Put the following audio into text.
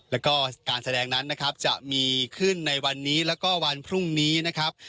แล้วก็การแสดงนั้นนะครับจะมีขึ้นในวันนี้แล้วก็วันพรุ่งนี้นะครับ